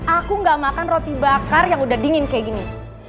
aku gak makan roti bakar yang udah dingin kayak gini